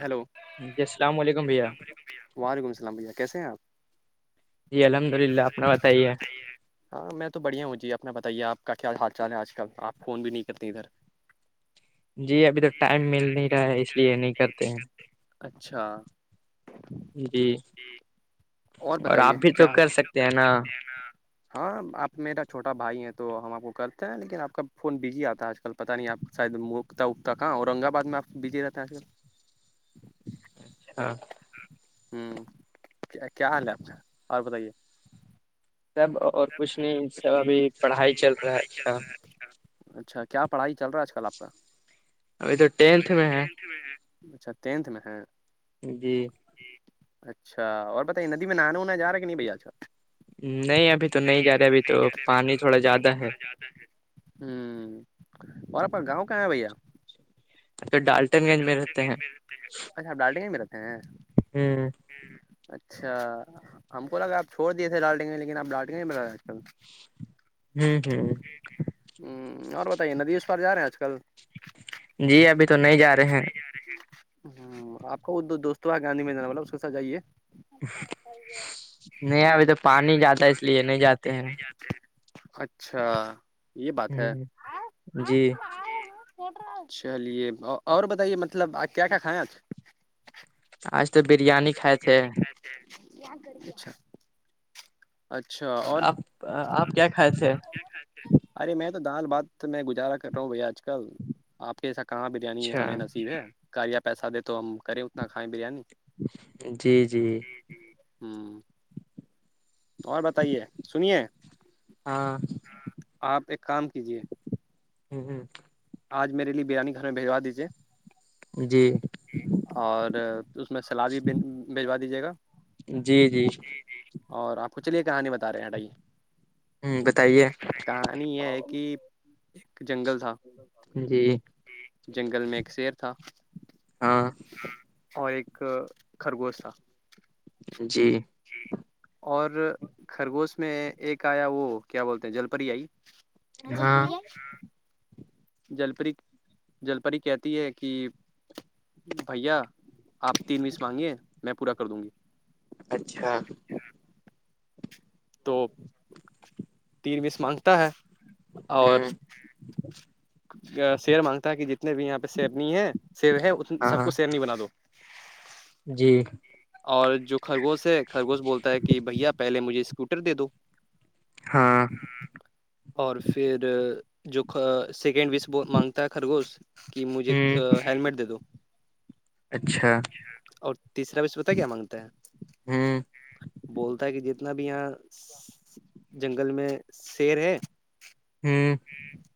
hello جی السلام علیکمھیا وعلیکم السلام بھیا کیسے ہیں آپ جی الحمد للہ آپ نے بتائیے ہاں میں تو بڑھیا ہوں جی اپنا بتائیے آپ کا کیا حال چال ہے آج کل آپ فون بھی نہیں کرتے ادھر [inaudible] جی ابھی تو ٹائم مل نہیں رہا ہے اس لیے نہیں کرتے ہیں اچھا جی اور آپ بتائیے بھی تو کیا حال کر چال سکتے ہیں نا ہاں آپ میرا چھوٹا بھائی ہے تو ہم آپ کو کرتے ہیں لیکن آپ کا فون بزی آتا ہے آج کل پتا نہیں آپ شاید مکتا اکتا کہاں اورنگ آباد میں آپ بزی رہتے ہیں آج کل ہاں ہوں کیا کیا حال ہے آپ کا اور بتائیے سب اور کچھ نہیں سب ابھی پڑھائی چل رہا ہے اچھا اچھا کیا پڑھائی چل رہا ہے آج کل آپ کا ابھی تو ٹینتھ میں ہے اچھا ٹینتھ میں ہے جی اچھا اور پتائی ندی میں نہانا وونا جا رہا کہ نہیں بھیا اچھا نہیں ابھی تو نہیں جا رہا ابھی تو پانی تھوڑا زیادہ ہے ہ ہمارے پاس گاؤں کہاں ہے بھیا پھر ڈالٹن گنج میں رہتے ہیں اچھا آپ ڈالٹے گ میں رہتے ہیں ہوں اچھا ہم کو لگا آپ چھوڑ دیے تھے ڈالٹیںے لیکن آپ ڈالٹے نہیں بتا رہ کل ہوں ہوں ہ اور بتائیے ندی اس پار جا رہے ہیں آج کل جی ابھی تو نہیں جا رہے ہیں ہ آپ کا وہ دو دوست آ گاندھی میدان والطلب اس کے ساتھ جائیے نہیں ابھی تو پانی جاتا ہے اس لیے نہیں جاتے ہیں اچھا یہ بات ہے ہ جی چلیے اور بتائیے مطلب آ کیا کیا کھائےیں آجاعا آج تو بریانی کھائے تھے کر گ اچھا اور آپ آپ کیا کھائے تھے ارے میں تو دال بات میں گزارا کر رہا ہوں بھیا آج کل آپ کےس کہاں بریانی اچھا ہمیں نصیب ہے ک یا پیسہ دے تو ہم کریں اتنا کھائیں بریانی جی جی ہوں اور بتائیے سنیے ہاں آپ ایک کام کیجیے ہ ہ آج میرے لیے بریانی کانے بجا دیجیے جی اور اس میں سلاد بھی بجوا دیجیے گا جی جی اور آپ کو چلیے کہانی بتا رہے ہیںٹھائی ہ بتائیے کہانی یہ ہے کہ ایک جنگل تھا جی جنگل میں ایک شیر تھا ہاں اور ایک خرگوش تھا جی اور خرگوش میں ایک آیا وہ کیا بولتے ہیں جل پری آئی ن جل ہاں پوریا جل پری جل پری کہتی ہے کہ بھیا آپ تین مس مانگیے میں پورا کر دوں گی اچھا [inaudible] تو تین بیس مانگتا ہے اور جچ شیر مانگتا ہے کہ جتنے بھی یہاں پہ سیرنی ہے سیر ہے سب ہاں کو سیرنی بنا دو جی اور جو خرگوش ہے خرگوش بولتا ہے کہ بھیا پہلے مجھے اسکوٹر دے دو ہاں اور پھر جو سیکنڈ وس مانگتا ہے خرگوش کہ مجھے ہ ہیللمٹ دے دو اچھا اور تیسرا بش بت کیا مانگتا ہ ہے بولتا ہے کہ جتنا بھی یہاں جنگل میں شیر ہے ہاں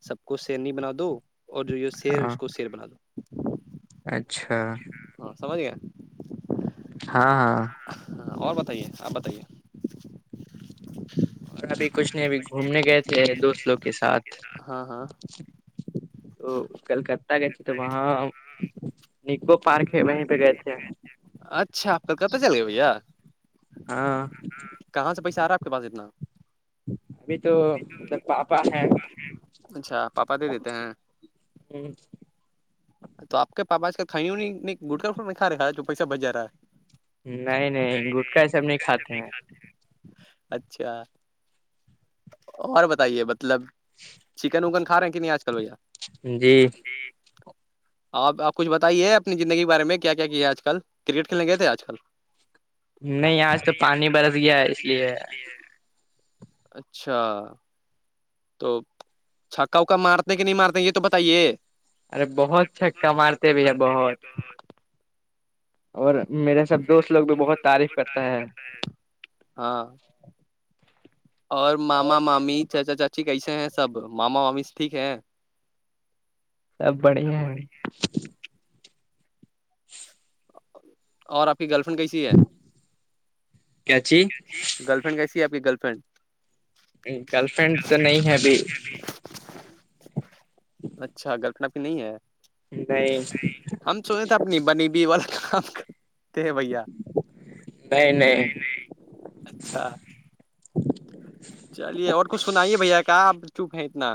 سب کو شیرنی بنا دو اور جو یہ سیر ہے ہاں اس کو شیر بنا دو اچھا ہاں سمج کیا ہاں ہاں ہاں اور بتائیے آپ بتائیے اور ابھی کچھ نہیں ابھی گھومنے گئے تھے دوست لوگ کے ساتھ ہاں ہاں تو کلکتہ گئے تھ تو وہاں نکو پارک ہے وہیں پہ گئے تھے اچھا کلکت چل گئے بھیا ہاں کہاں سے پیسہ آ رہا آپ کے پس اتنا ابھی تو مطلب پاپا ہیں اچھا پاپا دے دیتے ہیں ہی تو آپ کے پاپا اس کا کھانی وونی نہیں گٹا فٹا نہیں کا رہا ہے جو پیسہ بچ ج رہا ہے نہیں نہیں گٹکا ای سب نہیں کھاتے ہیں اچھا اور بتائیے مطلب چکن وکن کھا رہے کہ نہیں آج کل بھیا جی آپ آپ کچھ بتائیے اپنی زندگی کے بارے میں کیا کیا ہے آج کل کرکٹ کھیلنے گئے تھے آج کل نہیں آج تو پانی برس گیا ہے اس لیے اچھا تو چھکا وکا مارتے ہیں کہ نہیں مارتے یہ تو بتائیے ارے بہت چھکا مارتے بھی ہے بہت اور میرے سب دوست لوگ بھی بہت تعریف کرتا ہے ہاں اور ماما مامی چا چا چا اچی کیسے ہیں سب ماما وامی ٹھیک ہے سب بڑھیا ہیں اور آپ کی گرل فرینڈ کیسی ہے کیاچی گرل فرینڈ کیسی ہے آپ کی گرل فرینڈ گرل فرینڈ تو نہیں ہے ابھی اچھا گلپناپی نہیں ہے نہیں ہم سونے تھ اپنی بنی بھی والا کام کرتے ہیں بھیا نہیں نہیںائ اچھا چلیے اور کچھ سنائیے بھیا کہ آپ چوپ ہیں اتنا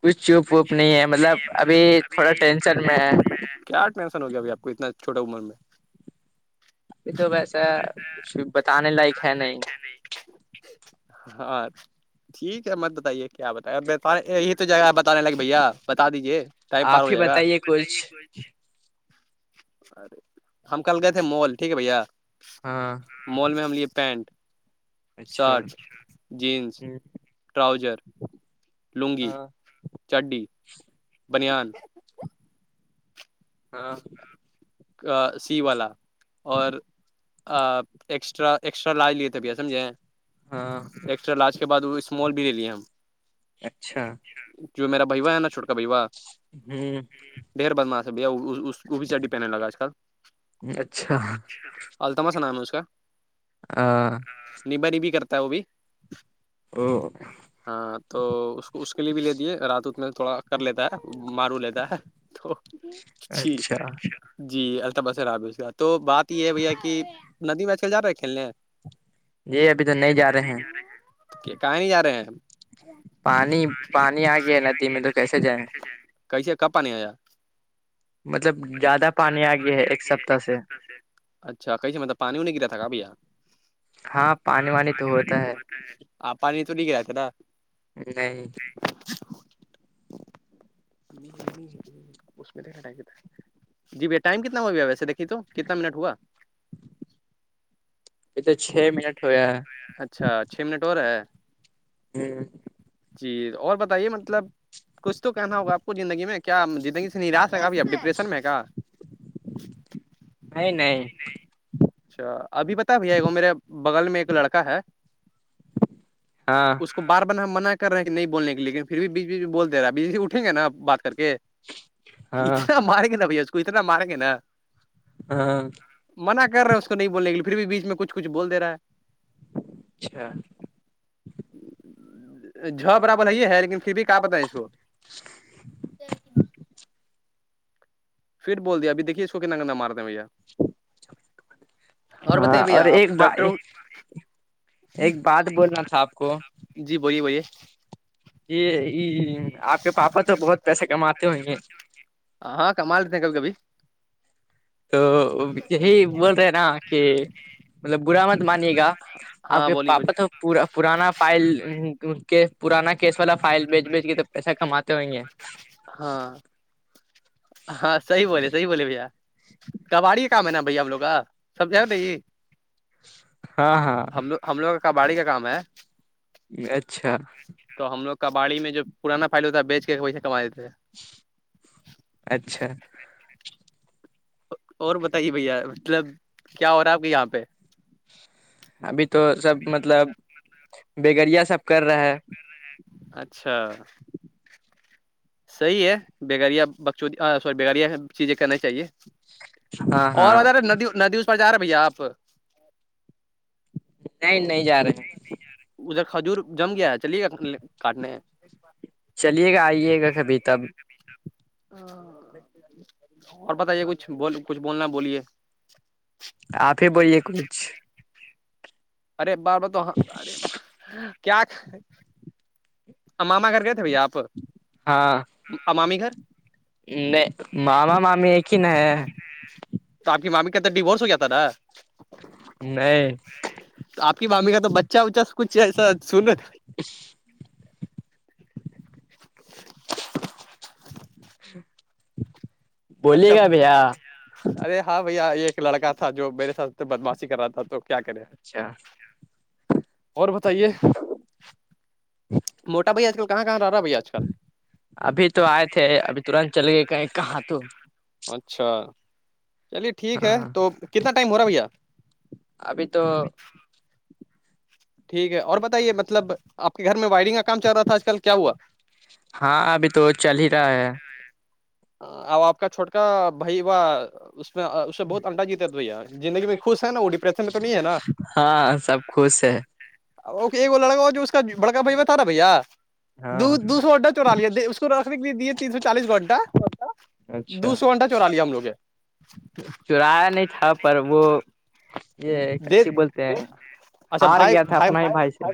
کچھ چوپ ووپ نہیں ہے مطلب ابھی تھوڑا ٹینشن میں ہے کیا ٹینن ہو گیا ابھیپ کو اتنا چھوٹی عمر میں ابھی تو ویسا وسے کچھ بتانے بچانے بچانے نہیں لائق ہے نہیں ہاں ٹھیک ہے مت بتائیے کیا بت گ یہی تو جگہ بتانے لگے بھیا بتا دیجے ٹائم پار آپ ہو ہی جائے گا بتائیے کچھ بتے کچ ارے ہم کل گئے تھے مول ٹھیک ہے بھیا ہاں مال میں ہم لیے پینٹ اچھا شرٹ جینس ٹراؤزر [unintelligible] لنگی ہاں چڈی [unintelligible] بنان ہاں سی والا اور ایکسٹرا ایکسٹرا لاج لیے تھے بیا سمجےیں ہاں ایکسٹرا لارج کے بعد وہ اسمال بھی لے لیے ہم اچھا جو میراھو ہے ناھوٹ بوا ہی ڈھیر بدماس ہے بھیا وہ بھی چی پہنے لگا آج کل اچھا التما سا نام ہے اس کا ہاں نبا نبی کرتا ہے وہ بھی [unintelligible] ہاں تو اس کو اس کے لیے بھی لے دیے رات ات میں تھوڑا کر لیتا ہے مارو لیتا ہے تو [unintelligible] ا جی جی الطباسر عابظ تو بات یہ ہے بھیا کہ ندی میں چل جا رہے ہے کھیلنے یہی ابھی تو نہیں جا رہے ہیں کہاں نہیں جا رہے ہیں ہم پانی پانی آ گیا ہے ندی میں تو کیسے جائیں کیسے کپ آ نہیں ا مطلب زیادہ پانی آ گیا ایک س سے اچھاسے مطلب پانی نہیں گرا تھا بھیا ہاں پانی وانی تو ہوتا ہے آپ پانی تو نہیں گراتے تھا نہیں نہیں نہیں ہے اس میں د ہٹ جی بھ ائم کتنا ہو بھیا ویسے دھی تو کتنا منٹ ہوا پ تو چھ منٹ ہویا ہے اچھا چھ منٹ اور ہے ہ جی اور بتائیے مطلب کچھ تو کہنا ہوگا آپ زندگی میں کیا زندگی سے نراش رہے گا ب اب ڈپریشن میں ہے کیا نہیں نہیںائ اچھا ابھی پتا بھیا وہ میرے بغل میں ایک لڑکا ہے ہاں اس کو بار بار ہم منع رہے ہیں کہ نہیں بولنے کے لیکن پھر بھی بیچ بی بول د رہا ہے بیی اٹیں گے نا بات کر کے ہاں اتنا ماریں گے نا بھیا اس کو اتنا ماریں گے نا ہاں منع کرے ہیں اس کو نہیں بولنے کے لیے پھر بھی بیچ میں کچ کچھ بول د رہا ہے اچھا جھ برابر ہے ہے لیکن پھر بھی کیا پت ہے اس کو [unintelligible] پھر بول دیا ابھییکھیے کو کتنا گندہ مارتے ہیں بھیا اور ہاں بتائیے بھیا آپ ایک ب ڈاکٹر ایک بات بولنا تھا آپ کو جی بولیے بولیے یہ آپ کے پاپا تو بہت پیسے کماتے ہو ہیں ہاں ہاں کمال دیتے ہیں کل کبھی تو یہی بول رہے ہیں نا کہ مطلب برا مت مانیے گا آپ ہاں کے بولیے پاپا بولیے تو پا پرانا فائل پانا کیس والا فائل بیچ بیچ کے تو پیس کا مات ہویں گے [unintelligible] ہاں ہاں صحیح بولے صحی بولے بھیا کباڑی کام ہے نا بھیا آ لگ کا سب ج ہاں ہاں ہم لوگ ہم لوگوں کا کا باڑی کا کام ہے اچھا تو ہم لوگ کا باڑی میں جو پرانا فائل ہوتا ہے بیچ کے پیسہ کما دیتےے اچھا اور بتائیے بھیا مطلب کیا ہو رہا ہے آپ کے یہاں پہ ابھی تو سب مطلب بیگڑیا سب کر رہا ہے اچھا صحیح ہے بیگاریا بخشود سوری بیگڑیا چیزیں کرنا چاہیے ہاں ہاں اور بتا رہے ندی ندی اس پر جا رہے ہیں بھیا آپ ا پر [inaudible] نہیں نہیں جا رہے ہیں ادھر کھجور جم گیا ہے چلیے گ کاٹنے چلیے گا آئیے گا کبھی تب اور بتائیے کچھ بول کچھ بولنا بولیے [unintelligible] آپ ہی بوولے کچھ ارے بار ب تو ارے کیا [unintelligible] اماما گھر گئے تھے بھیا آپ ہاںام امامی گھر [unintelligible] نہیں معما مامی ایک ہی نہیں ہے تو آ کی مامی کا تو ڈیوورس ہواتا نا نہیں تو آپ کی مامی کا تو بچہ اچا کچھ ایسا سن [unintelligible] بولیے اچھا گا بھیا ارے ہاں بھیا یہ ایک لڑکا تھا جو میرے سات بدمشی کر رہا تھا تو کیا کرے اچھا اور بتائیے موٹا بھائی آج کل کہاں کہاں رہ رہا بھیا آج کل ابھی تو آئے تھے ابھی ترنت چل گئے کہیں کہاں تو اچھا چلیے ٹھیک ہے ہاں تو کتنا ٹائم ہو رہا ہے بھیا ابھی تو [unintelligible] ٹھیک ہے اور بتائیے مطلب آپ کے گھر میں وائرنگ کا کام چل رہا تھا آج کل کیا ہوا ہاں ابھی تو چل ہی رہا ہے [unintelligible] اب آپ کا چھوٹکا بھائی و اس میں اس بہت انڈا جیتا تو بھیا زندگی میں خوش ہے نا وہ ڈپریشن میں تو نہیں ہے نا ہاں سب خوش ہے ا وہ لڑکا ہو جو اس کا بڑکا بھائیو تھا نا بھیا ہاں دو دو سو گھنٹہ چورا لیا اس کو رکھ ر کےے تین سو چالیس گھنڈہ دو اچھا سو گھنٹہ چورا لیا ہم لوگ نے [unintelligible] چرایا نہیں تھا پر وہ یہ دے اچھی بولتے ہیں اچھا ہار بھائی گیا تھا اپنا ہی بھائی سے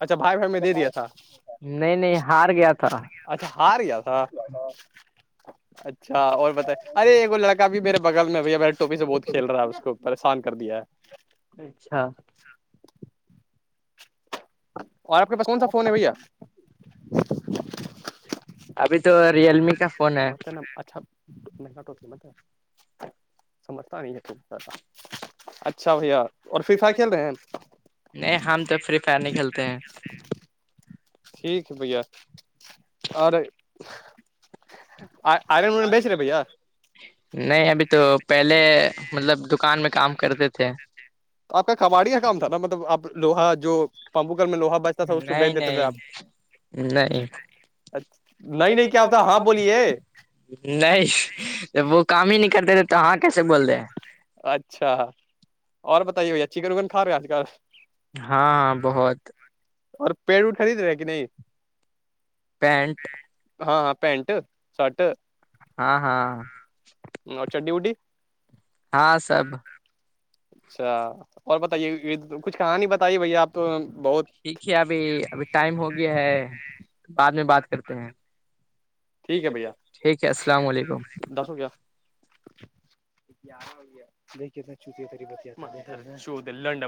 اچھا بھائی بائی ہم نے دے دیا تھا نہیں نہیں ہار گیا تھا اچھا ہار گیا تھا [unintelligible] اچھا اور بتائے ارے وہ لڑکا بھی میرے بغل میں بھیا ب ٹوپی سے بہت کھیل رہا ہے اس کو پریشان کر دیا ہے اچھا اور آپ پاس کون سا فون ہے بھیا ابھی تو ریئل می کا فون ہے اچھا ماٹ م سمجھتا نہیں- اچھا بھیا اور فری فائی کھیل رہے ہیں- نہیں ہم تو فری فائر نہیں کھیلتے ہیں- ٹھیک ہے بھیا اورر- آر بیچ رہے بھار- نہیں ابھی تو پہلے مطلب دکان میں کام کرتے تھے- تو آ کا کباڑی کام تھا نا مطلب آپ لوہا جو پمپوکل میں لوہا بچ- نہیں- نہیں- نہیں اچ نہیں نہیں کیا ہوتا ہاں بولیے- نہیں وہ کام ہی نہیں کرتے تھے تو ہاں کیسے بول رہے ہیں اچھا اور بتائیے بھیا چیکن روگن کھا رہے ہیں آج کل- ہاں بہت اور پیڑ وڑ خرید رہے ہے کہ نہیں- پینٹ ہاں- ہاں پینٹ شرٹ ہاں- ہاں اور چڈی وڈی- ہاں سب اچھا اور بتائیے یہ کچھ کہانی بتائی بھائی آپ تو بہت- ٹھیک ہے ابھی- ابھی ٹائم ہو گیا ہے بعد میں بات کرتے ہیں- ٹھیک ھیک ہے بھیا ٹھیک ہے السلام علیکم- دس ہو گیا دیکے چتی تری ب لنڈ-